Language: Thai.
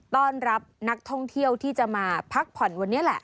ต้อนรับนักท่องเที่ยวที่จะมาพักผ่อนวันนี้แหละ